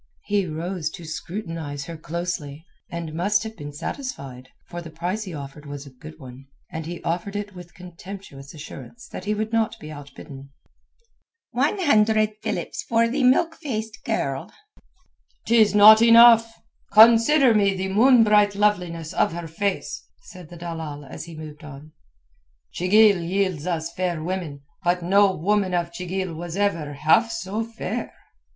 He rose to scrutinize her closely, and must have been satisfied, for the price he offered was a good one, and he offered it with contemptuous assurance that he would not be outbidden. "One hundred philips for the milk faced girl." "'Tis not enough. Consider me the moon bright loveliness of her face," said the dalal as he moved on. "Chigil yields us fair women, but no woman of Chigil was ever half so fair."